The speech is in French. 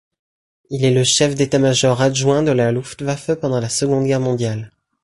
Il est le chef d’état-major adjoint de la Luftwaffe pendant la Seconde Guerre mondiale.